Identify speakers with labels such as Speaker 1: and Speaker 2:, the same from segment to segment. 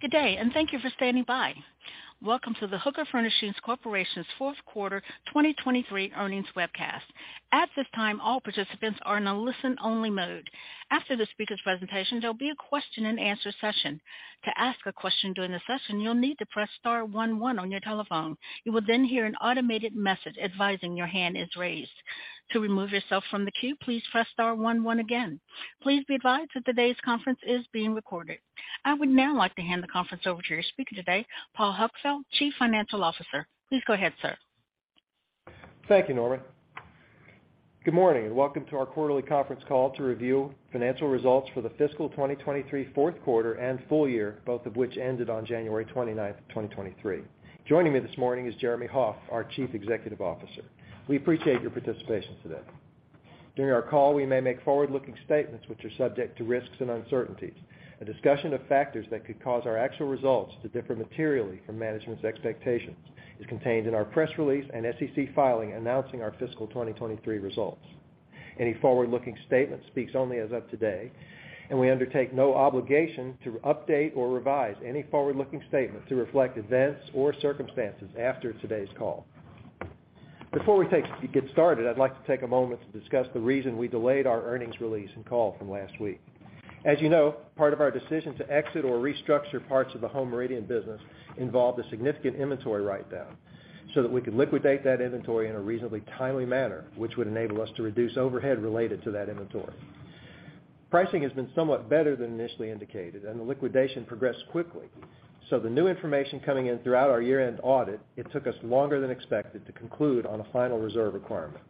Speaker 1: Good day, and thank you for standing by. Welcome to the Hooker Furnishings Corporation's fourth quarter 2023 earnings webcast. At this time, all participants are in a listen-only mode. After the speaker's presentation, there'll be a question-and-answer session. To ask a question during the session, you'll need to press star one one on your telephone. You will then hear an automated message advising your hand is raised. To remove yourself from the queue, please press star one one again. Please be advised that today's conference is being recorded. I would now like to hand the conference over to your speaker today, Paul Huckfeldt, Chief Financial Officer. Please go ahead, sir.
Speaker 2: Thank you, Norma. Welcome to our quarterly conference call to review financial results for the fiscal 2023 fourth quarter and full year, both of which ended on January 29, 2023. Joining me this morning is Jeremy Hoff, our Chief Executive Officer. We appreciate your participation today. During our call, we may make forward-looking statements which are subject to risks and uncertainties. A discussion of factors that could cause our actual results to differ materially from management's expectations is contained in our press release and SEC filing announcing our fiscal 2023 results. Any forward-looking statement speaks only as of today. We undertake no obligation to update or revise any forward-looking statement to reflect events or circumstances after today's call. Before we get started, I'd like to take a moment to discuss the reason we delayed our earnings release and call from last week. As you know, part of our decision to exit or restructure parts of the Home Meridian business involved a significant inventory write-down so that we could liquidate that inventory in a reasonably timely manner, which would enable us to reduce overhead related to that inventory. Pricing has been somewhat better than initially indicated, and the liquidation progressed quickly. The new information coming in throughout our year-end audit, it took us longer than expected to conclude on a final reserve requirement.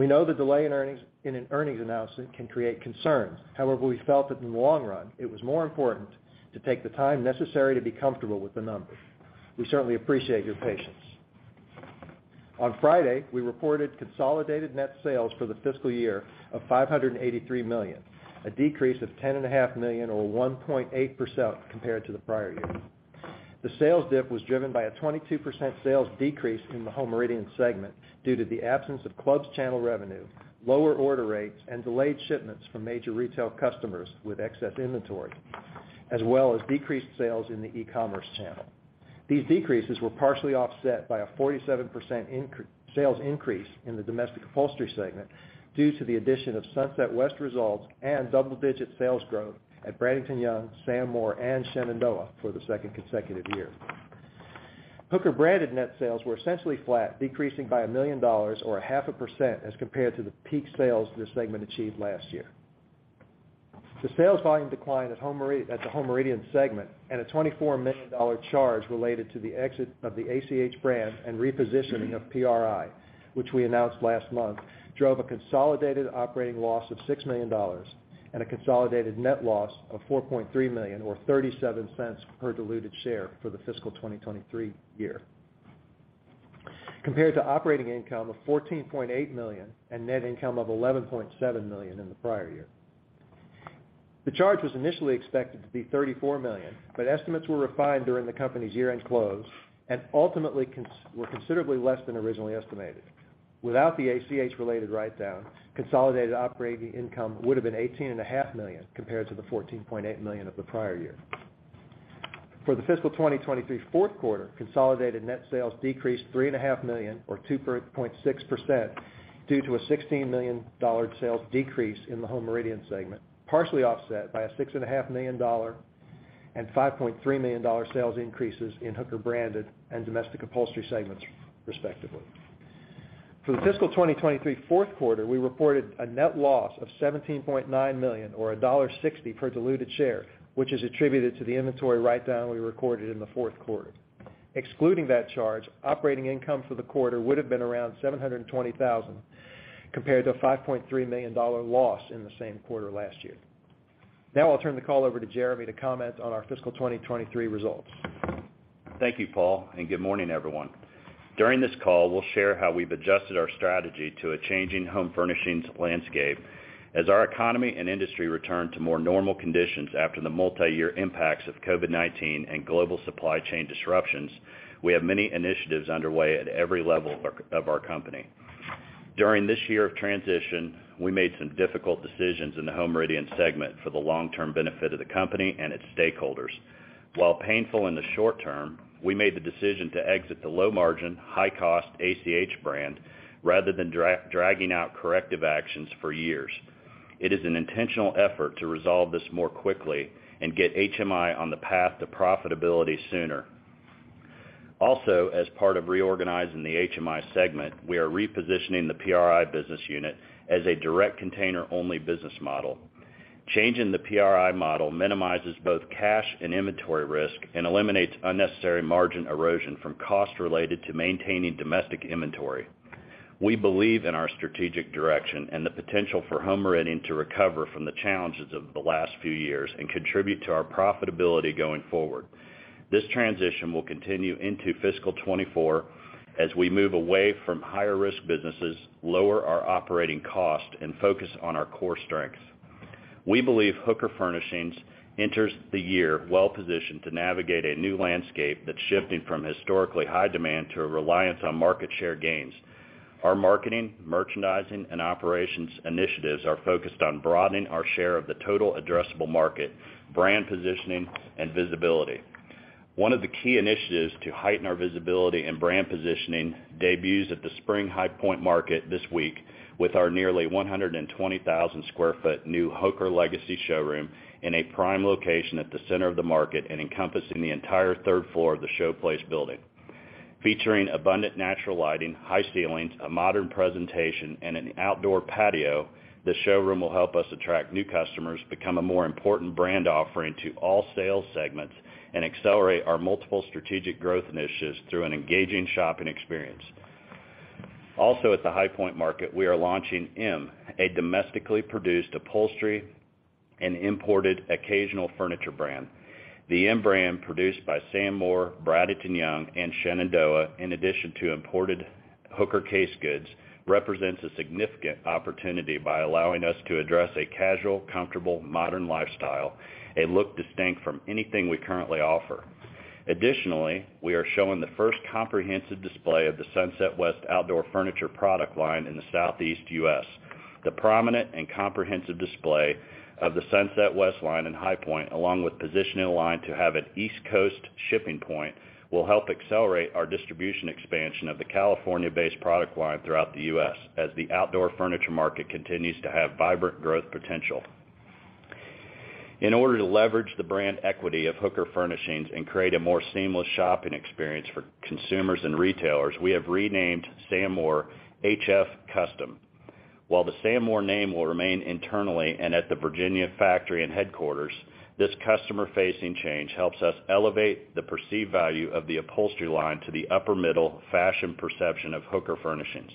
Speaker 2: We know the delay in an earnings announcement can create concerns. However, we felt that in the long run, it was more important to take the time necessary to be comfortable with the numbers. We certainly appreciate your patience. On Friday, we reported consolidated net sales for the fiscal year of $583 million, a decrease of $10.5 million or 1.8% compared to the prior year. The sales dip was driven by a 22% sales decrease in the Home Meridian segment due to the absence of clubs channel revenue, lower order rates, and delayed shipments from major retail customers with excess inventory, as well as decreased sales in the e-commerce channel. These decreases were partially offset by a 47% sales increase in the domestic upholstery segment due to the addition of Sunset West results and double-digit sales growth at Bradington-Young, Sam Moore, and Shenandoah for the second consecutive year. Hooker Branded net sales were essentially flat, decreasing by $1 million or 0.5% as compared to the peak sales this segment achieved last year. The sales volume decline at the Home Meridian segment and a $24 million charge related to the exit of the ACH brand and repositioning of PRI, which we announced last month, drove a consolidated operating loss of $6 million and a consolidated net loss of $4.3 million or $0.37 per diluted share for the fiscal 2023 year, compared to operating income of $14.8 million and net income of $11.7 million in the prior year. The charge was initially expected to be $34 million, but estimates were refined during the company's year-end close and ultimately were considerably less than originally estimated. Without the ACH-related write-down, consolidated operating income would have been $18.5 million, compared to the $14.8 million of the prior year. For the fiscal 2023 fourth quarter, consolidated net sales decreased $3.5 million or 2.6% due to a $16 million sales decrease in the Home Meridian segment, partially offset by a $6.5 million and $5.3 million sales increases in Hooker Branded and Domestic Upholstery segments, respectively. For the fiscal 2023 fourth quarter, we reported a net loss of $17.9 million or $1.60 per diluted share, which is attributed to the inventory write-down we recorded in the fourth quarter. Excluding that charge, operating income for the quarter would have been around $720,000, compared to a $5.3 million loss in the same quarter last year. I'll turn the call over to Jeremy to comment on our fiscal 2023 results.
Speaker 3: Thank you, Paul. Good morning, everyone. During this call, we'll share how we've adjusted our strategy to a changing home furnishings landscape. As our economy and industry return to more normal conditions after the multi-year impacts of COVID-19 and global supply chain disruptions, we have many initiatives underway at every level of our company. During this year of transition, we made some difficult decisions in the Home Meridian segment for the long-term benefit of the company and its stakeholders. While painful in the short term, we made the decision to exit the low margin, high cost ACH brand rather than dragging out corrective actions for years. It is an intentional effort to resolve this more quickly and get HMI on the path to profitability sooner. As part of reorganizing the HMI segment, we are repositioning the PRI business unit as a direct container-only business model. Changing the PRI model minimizes both cash and inventory risk and eliminates unnecessary margin erosion from costs related to maintaining domestic inventory. We believe in our strategic direction and the potential for Home Meridian to recover from the challenges of the last few years and contribute to our profitability going forward. This transition will continue into fiscal 2024 as we move away from higher risk businesses, lower our operating cost, and focus on our core strengths. We believe Hooker Furnishings enters the year well-positioned to navigate a new landscape that's shifting from historically high demand to a reliance on market share gains. Our marketing, merchandising, and operations initiatives are focused on broadening our share of the total addressable market, brand positioning, and visibility. One of the key initiatives to heighten our visibility and brand positioning debuts at the spring High Point Market this week with our nearly 120,000 sq ft new Hooker Legacy showroom in a prime location at the center of the market and encompassing the entire third floor of the Showplace building. Featuring abundant natural lighting, high ceilings, a modern presentation, and an outdoor patio, this showroom will help us attract new customers, become a more important brand offering to all sales segments, and accelerate our multiple strategic growth initiatives through an engaging shopping experience. Also at the High Point Market, we are launching M, a domestically produced upholstery and imported occasional furniture brand. The M brand, produced by Sam Moore, Bradington-Young, and Shenandoah, in addition to imported Hooker case goods, represents a significant opportunity by allowing us to address a casual, comfortable, modern lifestyle, a look distinct from anything we currently offer. Additionally, we are showing the first comprehensive display of the Sunset West outdoor furniture product line in the Southeast U.S. The prominent and comprehensive display of the Sunset West line in High Point, along with positioning the line to have an East Coast shipping point, will help accelerate our distribution expansion of the California-based product line throughout the U.S. as the outdoor furniture market continues to have vibrant growth potential. In order to leverage the brand equity of Hooker Furnishings and create a more seamless shopping experience for consumers and retailers, we have renamed Sam Moore HF Custom. While the Sam Moore name will remain internally and at the Virginia factory and headquarters, this customer-facing change helps us elevate the perceived value of the upholstery line to the upper middle fashion perception of Hooker Furnishings.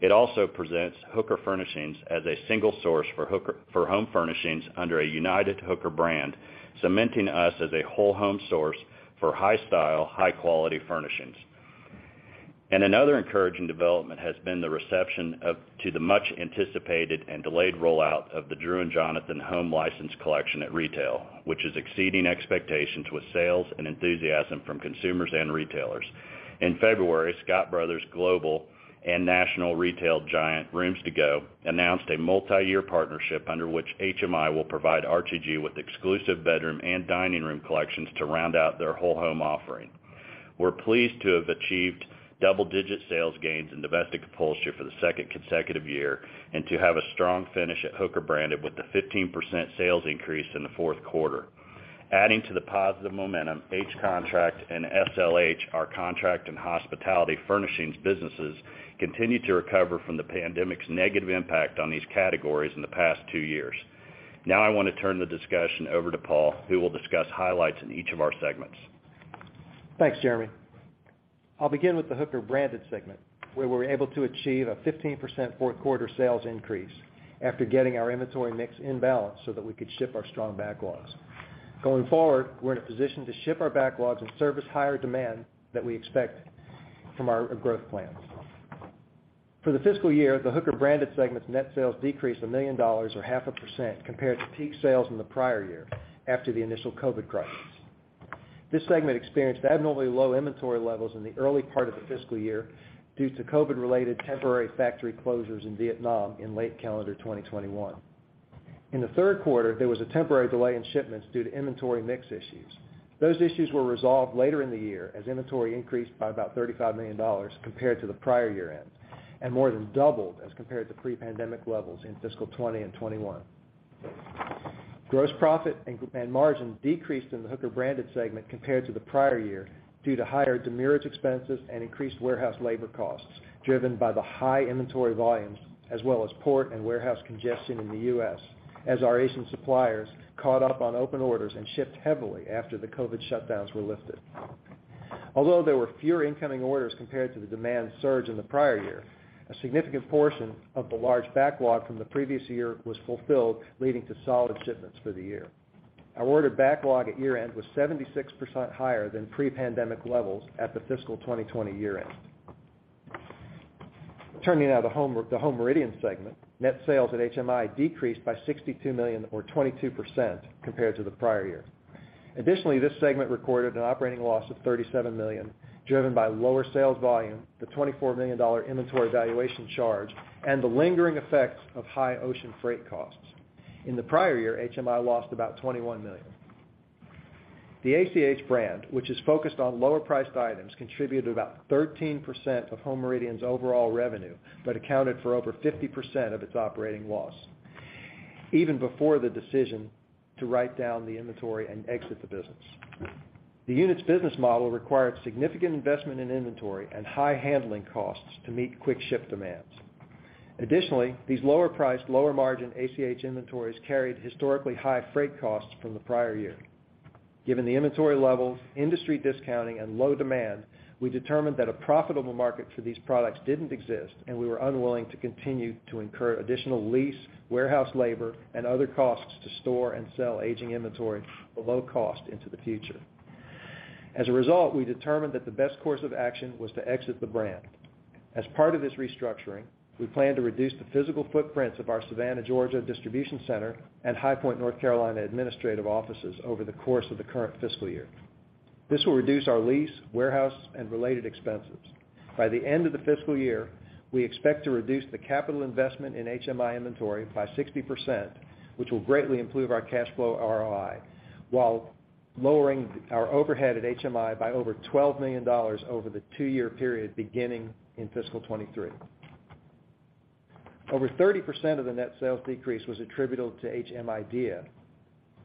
Speaker 3: It also presents Hooker Furnishings as a single source for home furnishings under a united Hooker brand, cementing us as a whole home source for high style, high-quality furnishings. Another encouraging development has been the reception to the much-anticipated and delayed rollout of the Drew & Jonathan Home License Collection at retail, which is exceeding expectations with sales and enthusiasm from consumers and retailers. In February, Scott Brothers Global and national retail giant Rooms To Go announced a multiyear partnership under which HMI will provide RTG with exclusive bedroom and dining room collections to round out their whole home offering. We're pleased to have achieved double-digit sales gains in domestic upholstery for the second consecutive year and to have a strong finish at Hooker Branded with a 15% sales increase in the fourth quarter. Adding to the positive momentum, H Contract and SLH, our contract and hospitality furnishings businesses, continued to recover from the pandemic's negative impact on these categories in the past two years. Now I want to turn the discussion over to Paul, who will discuss highlights in each of our segments.
Speaker 2: Thanks, Jeremy. I'll begin with the Hooker Branded segment, where we were able to achieve a 15% fourth-quarter sales increase after getting our inventory mix in balance so that we could ship our strong backlogs. Going forward, we're in a position to ship our backlogs and service higher demand that we expect from our growth plans. For the fiscal year, the Hooker Branded segment's net sales decreased $1 million, or half a %, compared to peak sales in the prior year after the initial COVID crisis. This segment experienced abnormally low inventory levels in the early part of the fiscal year due to COVID-related temporary factory closures in Vietnam in late calendar 2021. In the third quarter, there was a temporary delay in shipments due to inventory mix issues. Those issues were resolved later in the year as inventory increased by about $35 million compared to the prior year-end and more than doubled as compared to pre-pandemic levels in fiscal 20 and 21. Gross profit and margin decreased in the Hooker Branded segment compared to the prior year due to higher demurrage expenses and increased warehouse labor costs, driven by the high inventory volumes as well as port and warehouse congestion in the U.S. as our Asian suppliers caught up on open orders and shipped heavily after the COVID shutdowns were lifted. There were fewer incoming orders compared to the demand surge in the prior year, a significant portion of the large backlog from the previous year was fulfilled, leading to solid shipments for the year. Our ordered backlog at year-end was 76% higher than pre-pandemic levels at the fiscal 2020 year-end.` Turning now to the Home Meridian segment, net sales at HMI decreased by $62 million or 22% compared to the prior year. This segment recorded an operating loss of $37 million, driven by lower sales volume, the $24 million inventory valuation charge, and the lingering effects of high ocean freight costs. In the prior year, HMI lost about $21 million. The ACH brand, which is focused on lower-priced items, contributed about 13% of Home Meridian's overall revenue, but accounted for over 50% of its operating loss even before the decision to write down the inventory and exit the business. The unit's business model required significant investment in inventory and high handling costs to meet quick ship demands. These lower-priced, lower-margin ACH inventories carried historically high freight costs from the prior year. Given the inventory levels, industry discounting, and low demand, we determined that a profitable market for these products didn't exist, and we were unwilling to continue to incur additional lease, warehouse labor, and other costs to store and sell aging inventory below cost into the future. As a result, we determined that the best course of action was to exit the brand. As part of this restructuring, we plan to reduce the physical footprints of our Savannah, Georgia distribution center and High Point, North Carolina administrative offices over the course of the current fiscal year. This will reduce our lease, warehouse, and related expenses. By the end of the fiscal year, we expect to reduce the capital investment in HMI inventory by 60%, which will greatly improve our cash flow ROI, while lowering our overhead at HMI by over $12 million over the two-year period beginning in fiscal 2023. Over 30% of the net sales decrease was attributable to HMidea,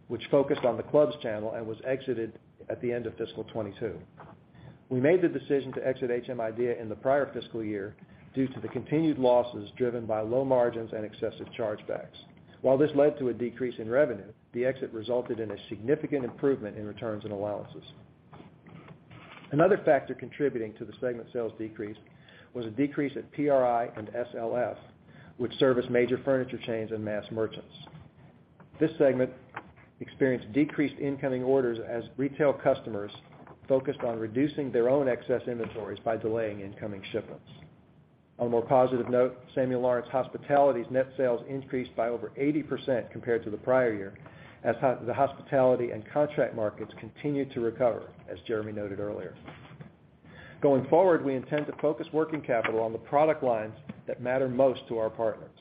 Speaker 2: which focused on the clubs channel and was exited at the end of fiscal 2022. We made the decision to exit HMidea in the prior fiscal year due to the continued losses driven by low margins and excessive chargebacks. While this led to a decrease in revenue, the exit resulted in a significant improvement in returns and allowances. Another factor contributing to the segment sales decrease was a decrease at PRI and SLF, which service major furniture chains and mass merchants. This segment experienced decreased incoming orders as retail customers focused on reducing their own excess inventories by delaying incoming shipments. On a more positive note, Samuel Lawrence Hospitality's net sales increased by over 80% compared to the prior year as the hospitality and contract markets continued to recover, as Jeremy noted earlier. Going forward, we intend to focus working capital on the product lines that matter most to our partners.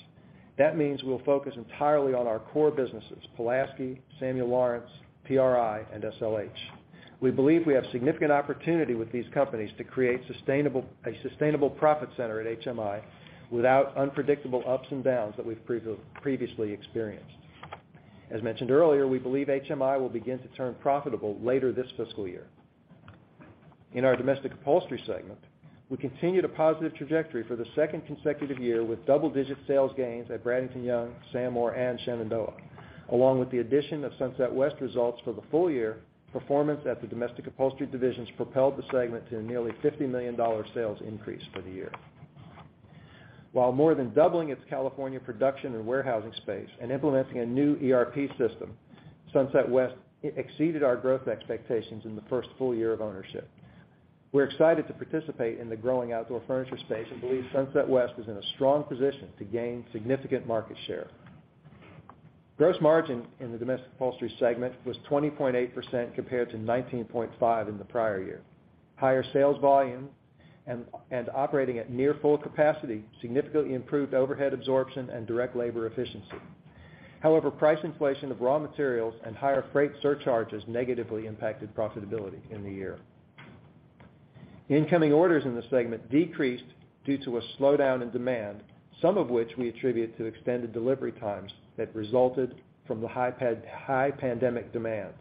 Speaker 2: That means we'll focus entirely on our core businesses, Pulaski, Samuel Lawrence, PRI, and SLH. We believe we have significant opportunity with these companies to create a sustainable profit center at HMI without unpredictable ups and downs that we've previously experienced. As mentioned earlier, we believe HMI will begin to turn profitable later this fiscal year. In our Domestic Upholstery segment, we continued a positive trajectory for the second consecutive year with double-digit sales gains at Bradington-Young, Sam Moore, and Shenandoah. Along with the addition of Sunset West results for the full year, performance at the Domestic Upholstery divisions propelled the segment to a nearly $50 million sales increase for the year. While more than doubling its California production and warehousing space and implementing a new ERP system, Sunset West exceeded our growth expectations in the first full year of ownership. We're excited to participate in the growing outdoor furniture space and believe Sunset West is in a strong position to gain significant market share. Gross margin in the Domestic Upholstery segment was 20.8% compared to 19.5% in the prior year. Higher sales volume and operating at near full capacity significantly improved overhead absorption and direct labor efficiency. However, price inflation of raw materials and higher freight surcharges negatively impacted profitability in the year. Incoming orders in the segment decreased due to a slowdown in demand, some of which we attribute to extended delivery times that resulted from the high pandemic demand.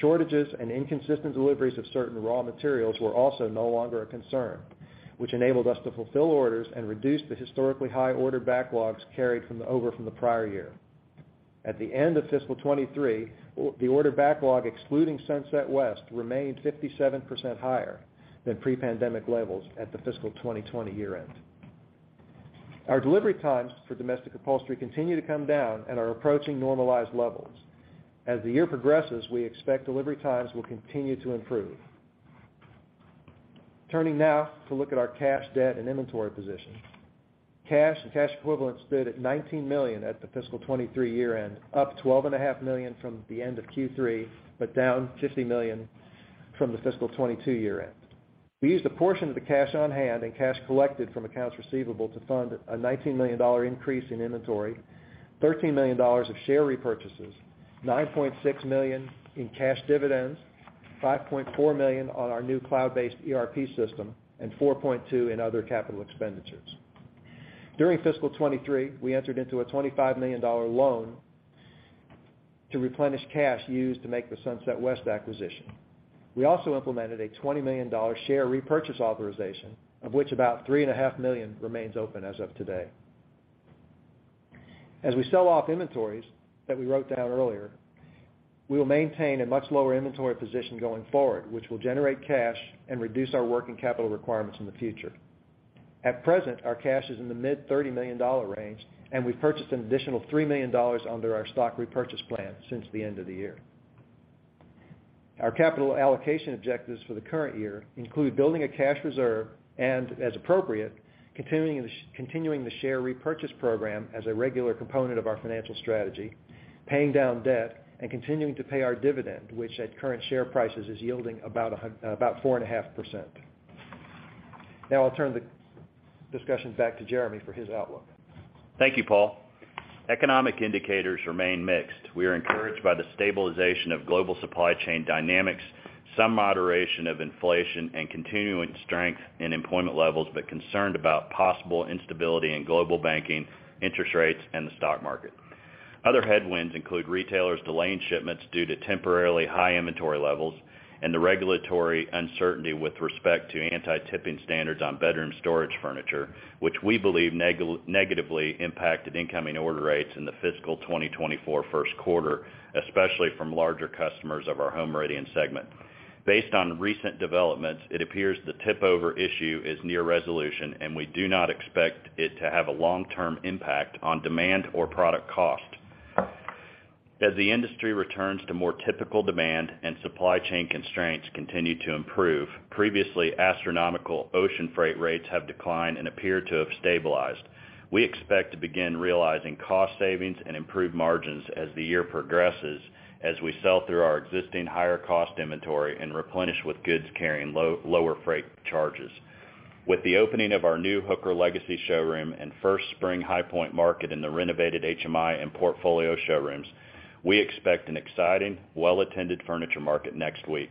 Speaker 2: Shortages and inconsistent deliveries of certain raw materials were also no longer a concern, which enabled us to fulfill orders and reduce the historically high order backlogs carried over from the prior year. At the end of fiscal 23, the order backlog, excluding Sunset West, remained 57% higher than pre-pandemic levels at the fiscal 2020 year-end. Our delivery times for Domestic Upholstery continue to come down and are approaching normalized levels. As the year progresses, we expect delivery times will continue to improve. Turning now to look at our cash, debt, and inventory position. Cash and cash equivalents stood at $19 million at the fiscal 23 year-end, up twelve and a half million from the end of Q3, but down $50 million from the fiscal 22 year-end. We used a portion of the cash on hand and cash collected from accounts receivable to fund a $19 million increase in inventory, $13 million of share repurchases, $9.6 million in cash dividends, $5.4 million on our new cloud-based ERP system, and $4.2 million in other capital expenditures. During fiscal 2023, we entered into a $25 million loan to replenish cash used to make the Sunset West acquisition. We also implemented a $20 million share repurchase authorization, of which about $3.5 million remains open as of today. As we sell off inventories that we wrote down earlier, we will maintain a much lower inventory position going forward, which will generate cash and reduce our working capital requirements in the future. At present, our cash is in the mid $30 million range, we've purchased an additional $3 million under our stock repurchase plan since the end of the year. Our capital allocation objectives for the current year include building a cash reserve and, as appropriate, continuing the share repurchase program as a regular component of our financial strategy, paying down debt, and continuing to pay our dividend, which at current share prices is yielding about 4.5%. I'll turn the discussion back to Jeremy for his outlook.
Speaker 3: Thank you, Paul. Economic indicators remain mixed. We are encouraged by the stabilization of global supply chain dynamics, some moderation of inflation, and continuing strength in employment levels, but concerned about possible instability in global banking, interest rates, and the stock market. Other headwinds include retailers delaying shipments due to temporarily high inventory levels and the regulatory uncertainty with respect to anti-tipping standards on bedroom storage furniture, which we believe negatively impacted incoming order rates in the fiscal 2024 first quarter, especially from larger customers of our Home Meridian segment. Based on recent developments, it appears the tip over issue is near resolution, and we do not expect it to have a long-term impact on demand or product cost. As the industry returns to more typical demand and supply chain constraints continue to improve, previously astronomical ocean freight rates have declined and appear to have stabilized. We expect to begin realizing cost savings and improved margins as the year progresses as we sell through our existing higher cost inventory and replenish with goods carrying lower freight charges. With the opening of our new Hooker Legacy showroom and first spring High Point Market in the renovated HMI and portfolio showrooms, we expect an exciting, well-attended furniture market next week.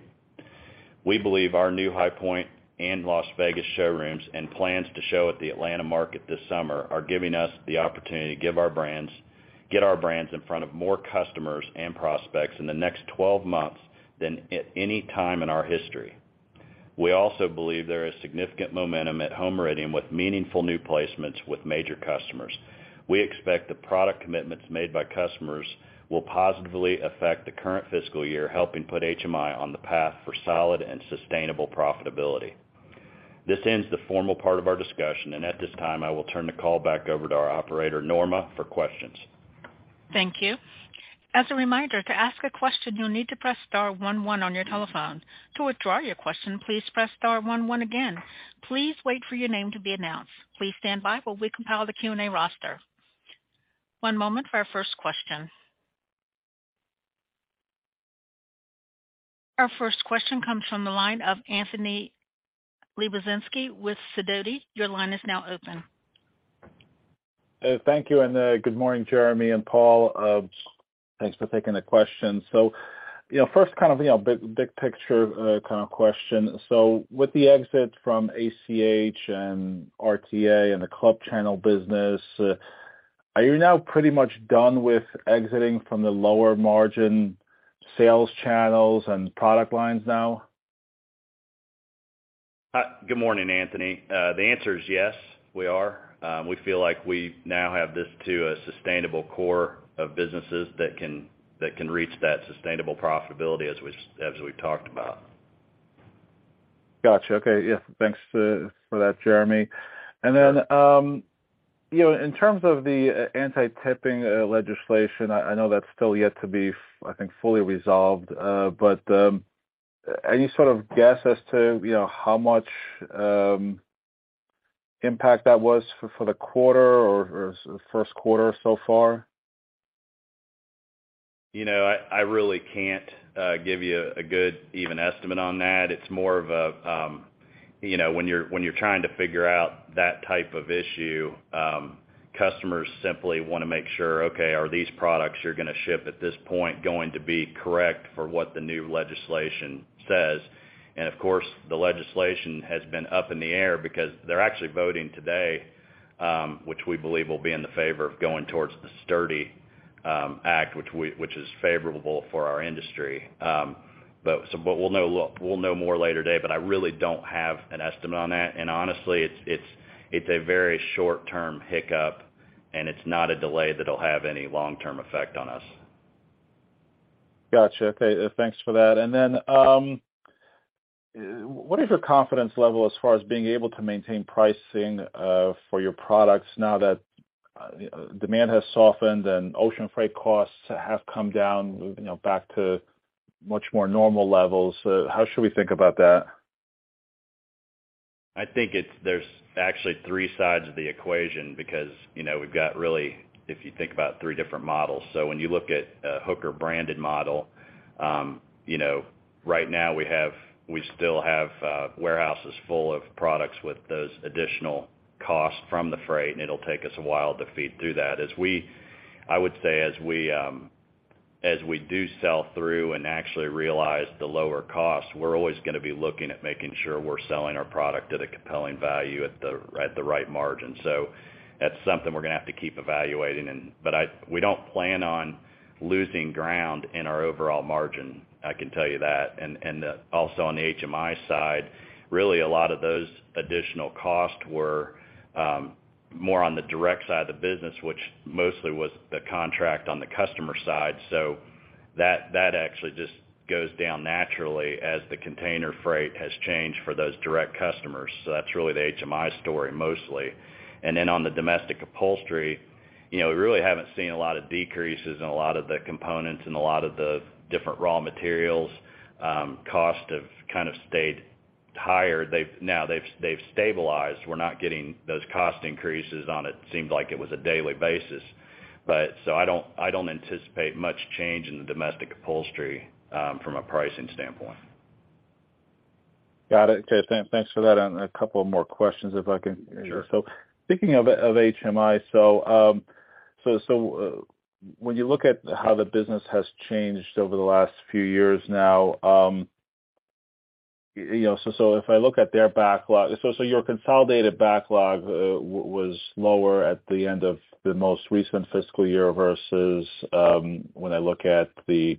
Speaker 3: We believe our new High Point and Las Vegas showrooms and plans to show at the Atlanta Market this summer are giving us the opportunity to get our brands in front of more customers and prospects in the next 12 months than at any time in our history. We also believe there is significant momentum at Home Meridian with meaningful new placements with major customers. We expect the product commitments made by customers will positively affect the current fiscal year, helping put HMI on the path for solid and sustainable profitability. This ends the formal part of our discussion, and at this time, I will turn the call back over to our operator, Norma, for questions.
Speaker 1: Thank you. As a reminder, to ask a question, you'll need to press star one one on your telephone. To withdraw your question, please press star one one again. Please wait for your name to be announced. Please stand by while we compile the Q&A roster. One moment for our first question. Our first question comes from the line of Anthony Lebiedzinski with Sidoti. Your line is now open.
Speaker 4: Thank you, good morning, Jeremy and Paul. Thanks for taking the question. You know, first kind of, you know, big picture, kind of question. With the exit from ACH and RTA and the club channel business, are you now pretty much done with exiting from the lower margin sales channels and product lines now?
Speaker 3: Hi. Good morning, Anthony. The answer is yes, we are. We feel like we now have this to a sustainable core of businesses that can reach that sustainable profitability as we've talked about.
Speaker 4: Gotcha. Okay. Yes, thanks, for that, Jeremy. You know, in terms of the anti-tipping legislation, I know that's still yet to be, I think, fully resolved. Any sort of guess as to, you know, how much, impact that was for the quarter or, first quarter so far?
Speaker 3: You know, I really can't give you a good even estimate on that. It's more of a, you know, when you're, when you're trying to figure out that type of issue, customers simply wanna make sure, okay, are these products you're gonna ship at this point going to be correct for what the new legislation says? Of course, the legislation has been up in the air because they're actually voting today, which we believe will be in the favor of going towards the STURDY Act, which is favorable for our industry. We'll know more later today, but I really don't have an estimate on that. Honestly, it's, it's a very short-term hiccup, and it's not a delay that'll have any long-term effect on us.
Speaker 4: Gotcha. Okay, thanks for that. What is your confidence level as far as being able to maintain pricing for your products now that demand has softened and ocean freight costs have come down, you know, back to much more normal levels? How should we think about that?
Speaker 3: I think there's actually three sides of the equation because, you know, we've got really, if you think about three different models. When you look at a Hooker Branded model, you know, right now we still have warehouses full of products with those additional costs from the freight, and it'll take us a while to feed through that. As I would say as we do sell through and actually realize the lower cost, we're always gonna be looking at making sure we're selling our product at a compelling value at the, at the right margin. That's something we're gonna have to keep evaluating. We don't plan on losing ground in our overall margin, I can tell you that. Also on the HMI side, really a lot of those additional costs were more on the direct side of the business, which mostly was the contract on the customer side. That actually just goes down naturally as the container freight has changed for those direct customers. That's really the HMI story mostly. On the domestic upholstery, you know, we really haven't seen a lot of decreases in a lot of the components and a lot of the different raw materials. Costs have kind of stayed higher. Now they've stabilized. We're not getting those cost increases on it, seemed like it was a daily basis. I don't anticipate much change in the domestic upholstery from a pricing standpoint.
Speaker 4: Got it. Okay. Thanks for that. A couple more questions if I can?
Speaker 3: Sure.
Speaker 4: Thinking of HMI, when you look at how the business has changed over the last few years now, you know, if I look at their backlog. Your consolidated backlog was lower at the end of the most recent fiscal year versus when I look at the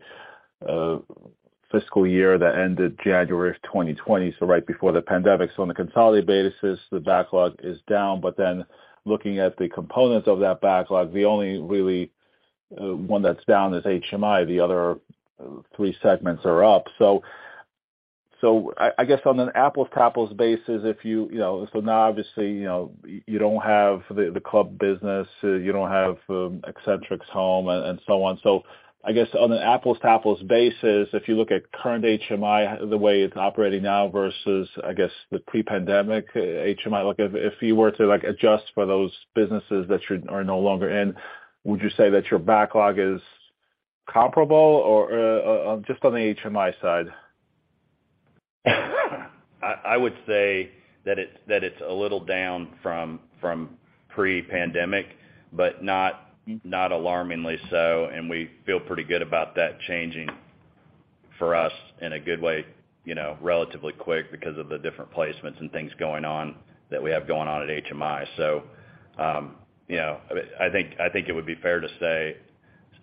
Speaker 4: fiscal year that ended January of 2020, right before the pandemic. On a consolidated basis, the backlog is down. Looking at the components of that backlog, the only really one that's down is HMI. The other three segments are up. I guess on an apples to apples basis, if you know, now obviously, you know, you don't have the club business, you don't have Accentrics Home and so on. I guess on an apples to apples basis, if you look at current HMI, the way it's operating now versus, I guess, the pre-pandemic HMI, like if you were to, like, adjust for those businesses that are no longer in, would you say that your backlog is? Comparable or just on the HMI side?
Speaker 3: I would say that it's a little down from pre-pandemic, but not alarmingly so. We feel pretty good about that changing for us in a good way, you know, relatively quick because of the different placements and things going on that we have going on at HMI. You know, I think it would be fair to say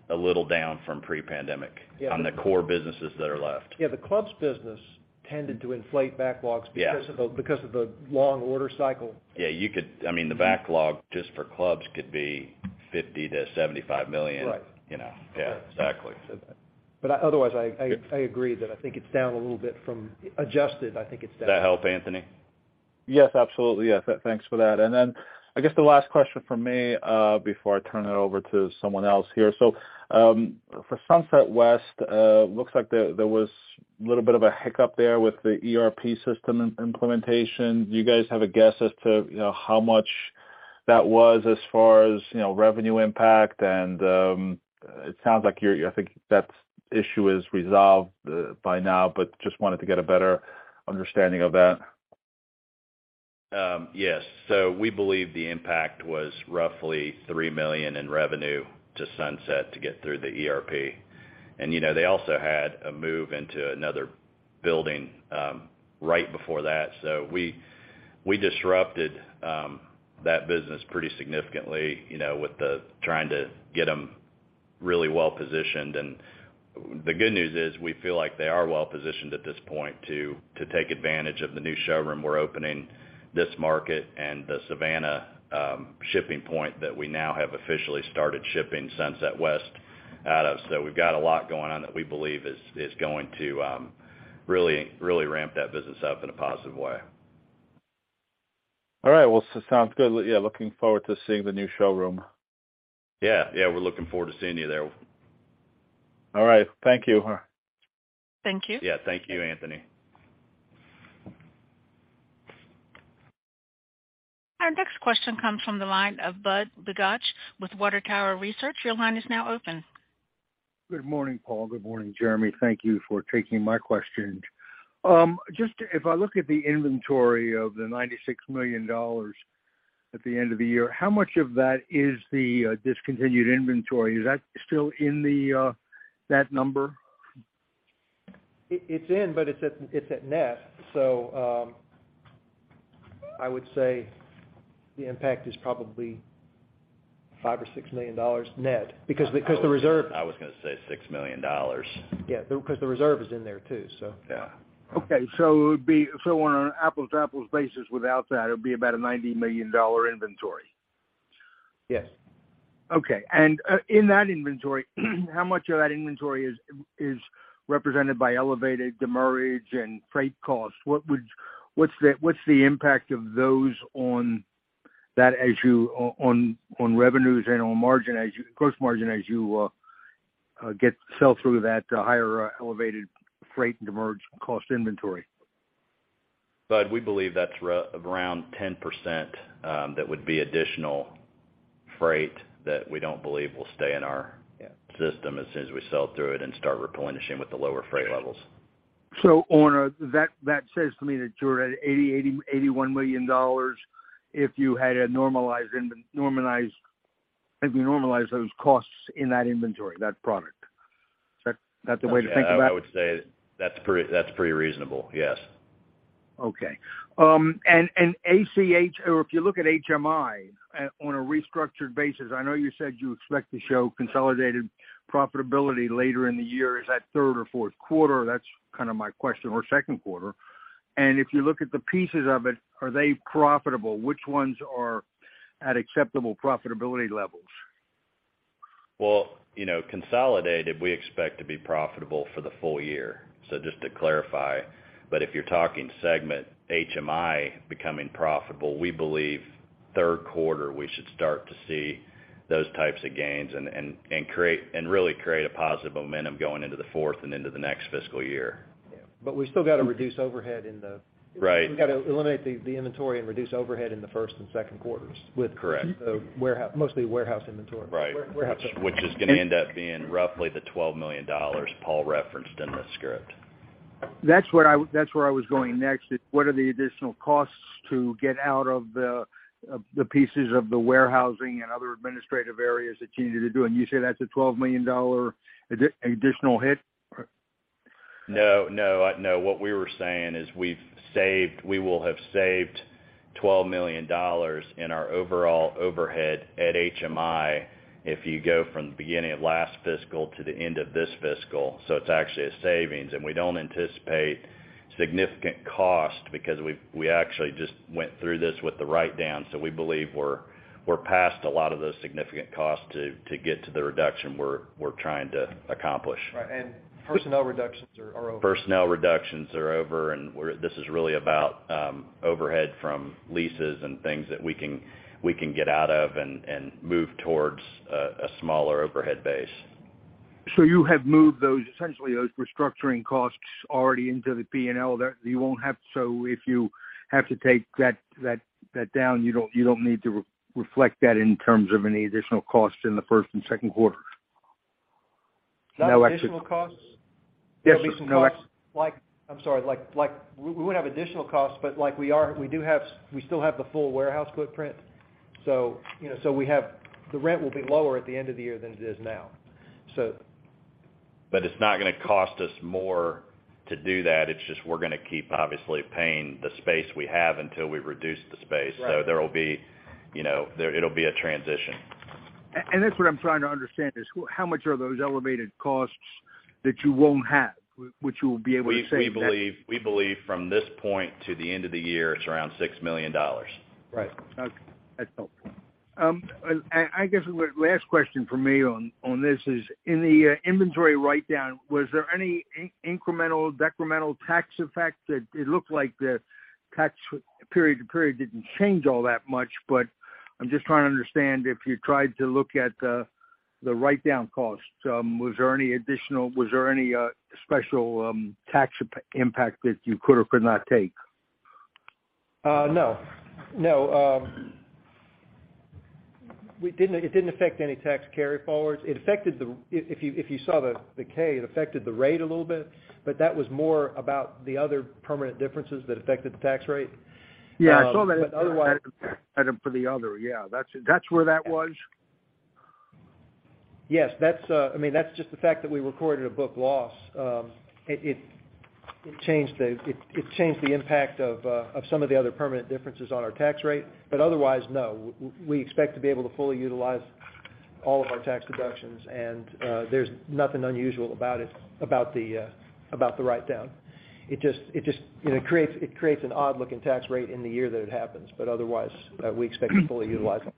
Speaker 3: a little down from pre-pandemic.
Speaker 2: Yeah.
Speaker 3: on the core businesses that are left.
Speaker 2: Yeah, the clubs business tended to inflate backlogs...
Speaker 3: Yeah.
Speaker 2: because of the long order cycle.
Speaker 3: Yeah, you could. I mean, the backlog just for clubs could be $50 million-$75 million.
Speaker 2: Right.
Speaker 3: You know? Yeah, exactly.
Speaker 2: Otherwise, I agree that I think it's down a little bit. Adjusted, I think it's down.
Speaker 3: Does that help, Anthony?
Speaker 4: Yes, absolutely. Yes, thanks for that. I guess the last question from me before I turn it over to someone else here. For Sunset West, looks like there was a little bit of a hiccup there with the ERP system implementation. Do you guys have a guess as to, you know, how much that was as far as, you know, revenue impact and I think that issue is resolved by now, but just wanted to get a better understanding of that.
Speaker 3: Yes. We believe the impact was roughly $3 million in revenue to Sunset West to get through the ERP. You know, they also had a move into another building right before that. We disrupted that business pretty significantly, you know, with the trying to get them really well-positioned. The good news is we feel like they are well-positioned at this point to take advantage of the new showroom we're opening this market and the Savannah shipping point that we now have officially started shipping Sunset West out of. We've got a lot going on that we believe is going to really ramp that business up in a positive way.
Speaker 4: All right. Well, sounds good. Yeah, looking forward to seeing the new showroom.
Speaker 3: Yeah, we're looking forward to seeing you there.
Speaker 4: All right. Thank you.
Speaker 1: Thank you.
Speaker 3: Yeah. Thank you, Anthony.
Speaker 1: Our next question comes from the line of Budd Bugatch with Water Tower Research. Your line is now open.
Speaker 5: Good morning, Paul. Good morning, Jeremy. Thank you for taking my questions. Just if I look at the inventory of the $96 million at the end of the year, how much of that is the discontinued inventory? Is that still in the that number?
Speaker 2: It's in, but it's at net. I would say the impact is probably $5 million or $6 million net because.
Speaker 3: Oh.
Speaker 2: Because the reserve.
Speaker 3: I was gonna say $6 million.
Speaker 2: Yeah, because the reserve is in there too, so.
Speaker 3: Yeah.
Speaker 5: Okay. On an apples-to-apples basis without that, it would be about a $90 million inventory.
Speaker 2: Yes.
Speaker 5: Okay. In that inventory, how much of that inventory is represented by elevated demurrage and freight costs? What's the impact of those on that on revenues and on margin gross margin as you get sell through that higher elevated freight and demurrage cost inventory?
Speaker 3: Budd, we believe that's around 10%, that would be additional freight that we don't believe will stay in.
Speaker 2: Yeah.
Speaker 3: System as soon as we sell through it and start replenishing with the lower freight levels.
Speaker 5: That says to me that you're at $80, $80, $81 million if you had a normalized normalized, if you normalize those costs in that inventory, that product. Is that the way to think about it?
Speaker 3: Yeah, I would say that's pretty reasonable, yes.
Speaker 5: Okay. ACH, or if you look at HMI on a restructured basis, I know you said you expect to show consolidated profitability later in the year. Is that third or fourth quarter? That's kind of my question, or second quarter. If you look at the pieces of it, are they profitable? Which ones are at acceptable profitability levels?
Speaker 3: You know, consolidated, we expect to be profitable for the full year. Just to clarify. If you're talking segment HMI becoming profitable, we believe third quarter we should start to see those types of gains and create, and really create a positive momentum going into the fourth and into the next fiscal year.
Speaker 2: Yeah. We still got to reduce overhead.
Speaker 3: Right.
Speaker 2: We got to eliminate the inventory and reduce overhead in the first and second quarters.
Speaker 3: Correct.
Speaker 2: the warehouse, mostly warehouse inventory.
Speaker 3: Right.
Speaker 2: Warehouse inventory.
Speaker 3: Which is gonna end up being roughly the $12 million Paul referenced in the script.
Speaker 5: That's where I was going next, is what are the additional costs to get out of the pieces of the warehousing and other administrative areas that you need to do? You say that's a $12 million additional hit?
Speaker 3: No, no. No, what we were saying is we've saved, we will have saved $12 million in our overall overhead at HMI if you go from the beginning of last fiscal to the end of this fiscal. It's actually a savings. We don't anticipate significant cost because we actually just went through this with the write-down. We believe we're past a lot of those significant costs to get to the reduction we're trying to accomplish.
Speaker 2: Right. Personnel reductions are over.
Speaker 3: Personnel reductions are over, and this is really about overhead from leases and things that we can get out of and move towards a smaller overhead base.
Speaker 5: You have moved essentially those restructuring costs already into the P&L. You won't have if you have to take that down, you don't need to re-reflect that in terms of any additional costs in the first and second quarters?
Speaker 2: Not additional costs?
Speaker 3: Yes.
Speaker 2: There'll be some costs like, I'm sorry, like, we would have additional costs, like we do have we still have the full warehouse footprint. you know, so we have. The rent will be lower at the end of the year than it is now, so.
Speaker 3: It's not gonna cost us more to do that. It's just, we're gonna keep obviously paying the space we have until we reduce the space.
Speaker 2: Right.
Speaker 3: There will be, you know, it'll be a transition.
Speaker 5: That's what I'm trying to understand is, how much are those elevated costs that you won't have, which you will be able to save that?
Speaker 3: We believe from this point to the end of the year, it's around $6 million.
Speaker 2: Right.
Speaker 5: Okay. That's helpful. I guess last question from me on this is, in the inventory write-down, was there any incremental, decremental tax effect that it looked like the tax period to period didn't change all that much. I'm just trying to understand if you tried to look at the write-down costs, was there any special tax impact that you could or could not take?
Speaker 2: No. No. It didn't affect any tax carry-forwards. It affected the. If you saw the K, it affected the rate a little bit. That was more about the other permanent differences that affected the tax rate.
Speaker 5: Yeah, I saw that.
Speaker 2: otherwise-
Speaker 5: Item for the other. Yeah. That's, that's where that was?
Speaker 2: Yes. That's, I mean, that's just the fact that we recorded a book loss. It changed the impact of some of the other permanent differences on our tax rate. No, we expect to be able to fully utilize all of our tax deductions. There's nothing unusual about the write-down. It just, you know, creates an odd looking tax rate in the year that it happens, but otherwise, we expect to fully utilize it.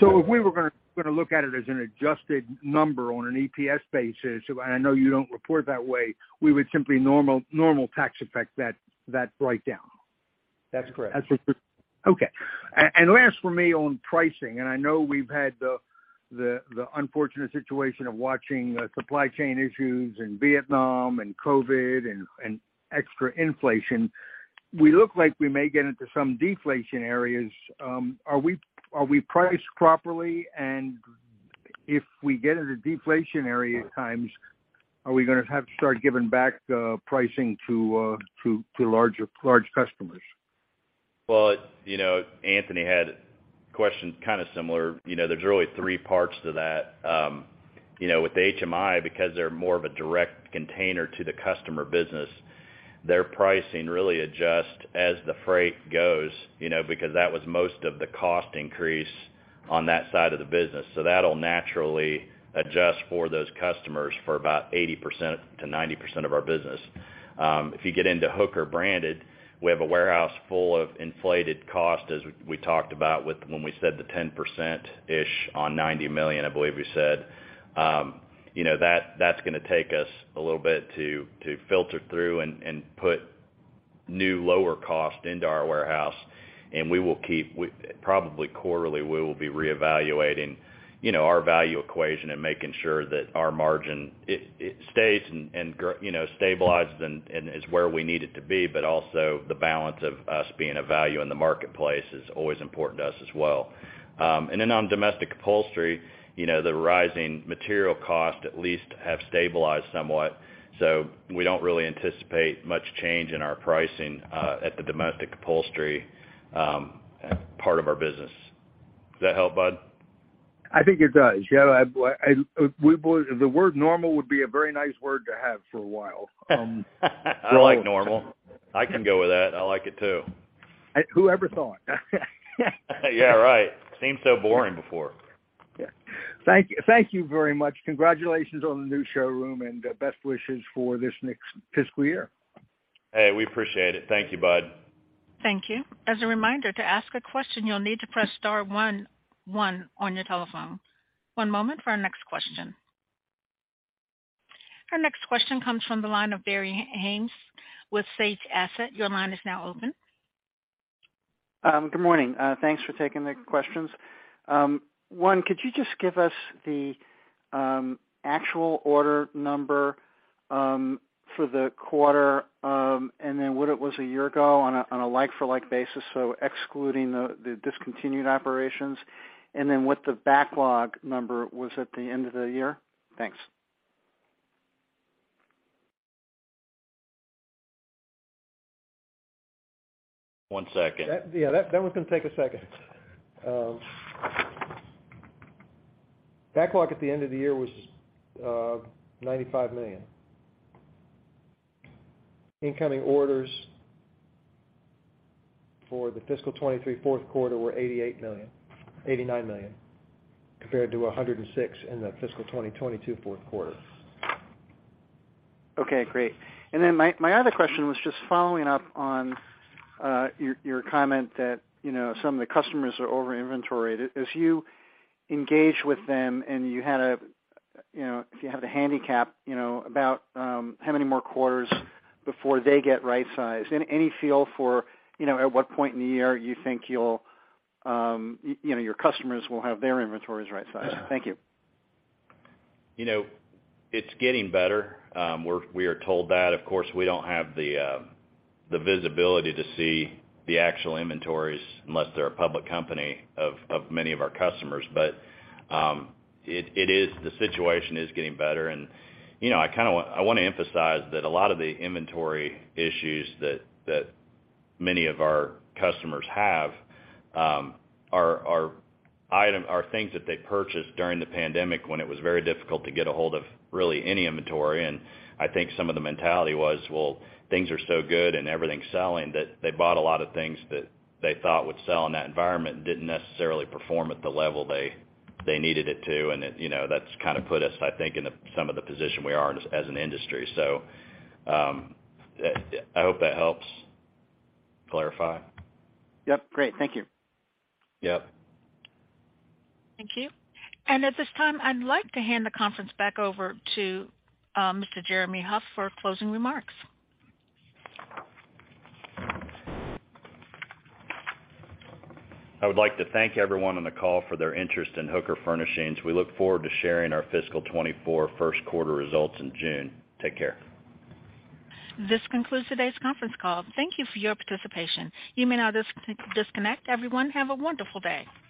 Speaker 5: If we were gonna look at it as an adjusted number on an EPS basis, and I know you don't report that way, we would simply normal tax effect that breakdown.
Speaker 2: That's correct.
Speaker 5: That's what we're. Okay. Last for me on pricing, and I know we've had the unfortunate situation of watching supply chain issues in Vietnam and COVID and extra inflation. We look like we may get into some deflation areas. Are we priced properly? If we get into deflationary times, are we gonna have to start giving back the pricing to large customers?
Speaker 3: Well, you know, Anthony Lebiedzinski had questions kinda similar. You know, there's really three parts to that. You know, with HMI, because they're more of a direct container to the customer business, their pricing really adjust as the freight goes, you know, because that was most of the cost increase on that side of the business. That'll naturally adjust for those customers for about 80%-90% of our business. If you get into Hooker Branded, we have a warehouse full of inflated cost, as we talked about with when we said the 10%-ish on $90 million, I believe we said. You know, that's gonna take us a little bit to filter through and put new lower cost into our warehouse. We will keep... Probably quarterly, we will be reevaluating, you know, our value equation and making sure that our margin, it stays and grow, you know, stabilizes and is where we need it to be. Also the balance of us being a value in the marketplace is always important to us as well. On Domestic Upholstery, you know, the rising material cost at least have stabilized somewhat. We don't really anticipate much change in our pricing at the Domestic Upholstery part of our business. Does that help, Budd?
Speaker 5: I think it does. Yeah. The word normal would be a very nice word to have for a while.
Speaker 3: I like Norma. I can go with that. I like it too.
Speaker 5: Who ever thought?
Speaker 3: Yeah. Right. Seemed so boring before.
Speaker 5: Yeah. Thank you. Thank you very much. Congratulations on the new showroom. Best wishes for this next fiscal year.
Speaker 3: Hey, we appreciate it. Thank you, Bud.
Speaker 1: Thank you. As a reminder, to ask a question, you'll need to press star 1 1 on your telephone. One moment for our next question. Our next question comes from the line of Barry Haimes with Sage Asset. Your line is now open.
Speaker 6: Good morning. Thanks for taking the questions. One, could you just give us the actual order number for the quarter, and then what it was a year ago on a like-for-like basis, so excluding the discontinued operations, and then what the backlog number was at the end of the year? Thanks.
Speaker 3: One second.
Speaker 2: That, yeah, that one's going to take a second. Backlog at the end of the year was $95 million. Incoming orders for the fiscal 2023 fourth quarter were $88 million, $89 million, compared to $106 million in the fiscal 2022 fourth quarter.
Speaker 6: Okay, great. My other question was just following up on your comment that, you know, some of the customers are over-inventoried. As you engage with them, and you had a, you know, if you had a handicap, you know, about how many more quarters before they get right sized. Any feel for, you know, at what point in the year you think you'll, you know, your customers will have their inventories right sized? Thank you.
Speaker 3: You know, it's getting better. We are told that. Of course, we don't have the visibility to see the actual inventories, unless they're a public company of many of our customers. It is, the situation is getting better. You know, I wanna emphasize that a lot of the inventory issues that many of our customers have, are things that they purchased during the pandemic when it was very difficult to get a hold of really any inventory. I think some of the mentality was, well, things are so good and everything's selling that they bought a lot of things that they thought would sell in that environment and didn't necessarily perform at the level they needed it to. It, you know, that's kinda put us, I think, in some of the position we are as an industry. I hope that helps clarify.
Speaker 6: Yep, great. Thank you.
Speaker 3: Yep.
Speaker 1: Thank you. At this time, I'd like to hand the conference back over to, Mr. Jeremy Hoff for closing remarks.
Speaker 3: I would like to thank everyone on the call for their interest in Hooker Furnishings. We look forward to sharing our fiscal 2024 first quarter results in June. Take care.
Speaker 1: This concludes today's conference call. Thank you for your participation. You may now disconnect. Everyone, have a wonderful day.